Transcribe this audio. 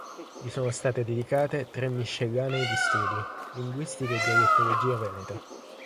Gli sono state dedicate tre miscellanee di studi: "Linguistica e dialettologia veneta.